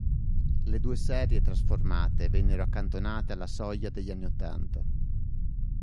Le due serie trasformate vennero accantonate alla soglia degli anni ottanta.